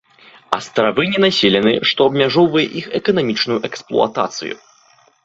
Астравы ненаселены, што абмяжоўвае іх эканамічную эксплуатацыю.